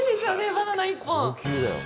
バナナ１本。